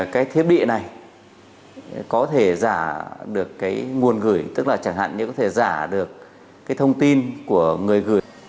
cái thiết bị này có thể giả được cái nguồn gửi tức là chẳng hạn như có thể giả được cái thông tin của người gửi